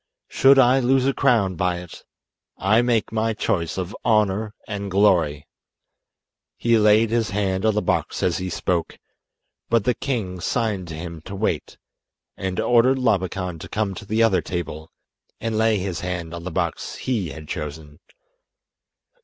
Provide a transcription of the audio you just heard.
Should I lose a crown by it I make my choice of 'Honour and Glory.'" He laid his hand on the box as he spoke, but the king signed to him to wait, and ordered Labakan to come to the other table and lay his hand on the box he had chosen.